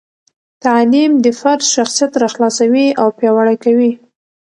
تعلیم د فرد شخصیت راخلاصوي او پیاوړي کوي.